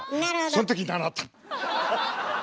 そん時習った！